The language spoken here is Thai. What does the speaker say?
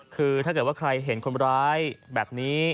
คือถ้าเกิดว่าใครเห็นคนร้ายแบบนี้